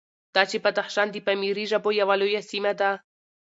دا چې بدخشان د پامیري ژبو یوه لویه سیمه ده،